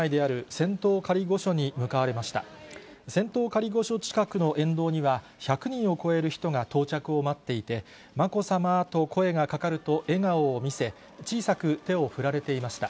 仙洞仮御所近くの沿道には、１００人を超える人が到着を待っていて、まこさまと声がかかると、笑顔を見せ、小さく手を振られていました。